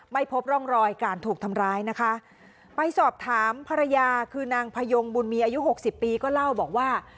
ไม่พบร่องรอยการถูกทำร้ายนะคะไปสอบถามภรรยาคือนางพยงบุญมีอายุหกสิบปีก็เล่าบอกว่า